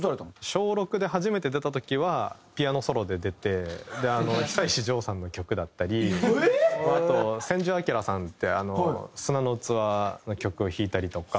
小６で初めて出た時はピアノソロで出て久石譲さんの曲だったりあと千住明さんって『砂の器』の曲を弾いたりとか。